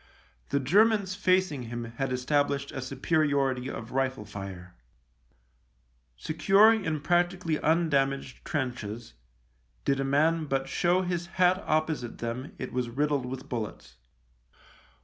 The Germans facing him had established a superiority of rifle fire. Secure in practically undamaged 40 THE LIEUTENANT trenches, did a man but show his hat opposite them it was riddled with bullets.